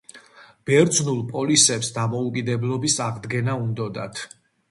ბერძნულ პოლისებს დამოუკიდებლობის აღდგენა უნდოდათ.